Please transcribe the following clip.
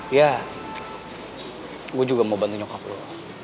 ya gue juga mau bantu nyokap lo